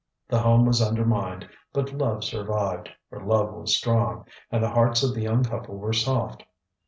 The home was undermined, but love survived, for love was strong, and the hearts of the young couple were soft.